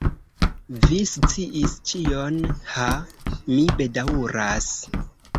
Vi sciis ĉion. Ha? Mi bedaŭras.